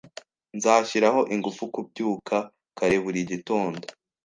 Nzashyiraho ingufu kubyuka kare buri gitondo